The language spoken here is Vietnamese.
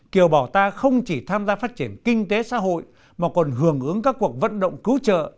kiều bào ta không chỉ tham gia phát triển kinh tế xã hội mà còn hưởng ứng các cuộc vận động cứu trợ